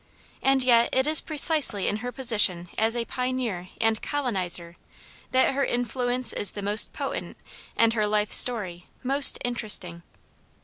And yet it is precisely in her position as a pioneer and colonizer that her influence is the most potent and her life story most interesting.